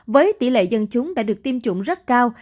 với tỷ lệ dân chúng đã được tiêm chủng rất cao